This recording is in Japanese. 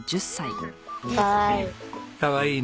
かわいい。